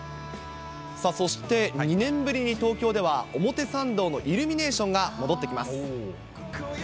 さあ、そして２年ぶりに東京では表参道のイルミネーションが戻ってきます。